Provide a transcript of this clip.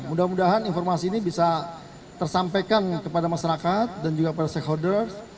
mudah mudahan informasi ini bisa tersampaikan kepada masyarakat dan juga para stakeholders